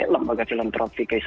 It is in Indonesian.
lembaga film teroperasi